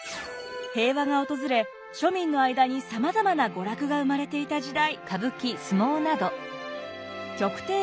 平和が訪れ庶民の間にさまざまな娯楽が生まれていた時代。